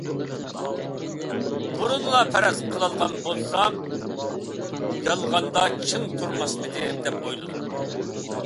بۇرۇنلا پەرەز قىلالىغان بولسام، يالغاندا چىڭ تۇرماسمىدىم دەپ ئويلىدىم.